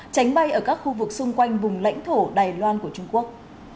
tránh bay ở các khu vực xung quanh vùng lãnh thổ đài loan của trung quốc